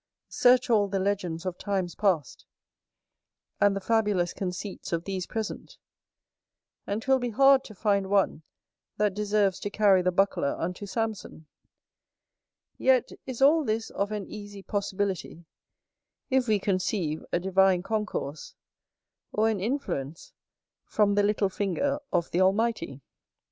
Search all the legends of times past, and the fabulous conceits of these present, and 'twill be hard to find one that deserves to carry the buckler unto Samson; yet is all this of an easy possibility, if we conceive a divine concourse, or an influence from the little finger of the Almighty.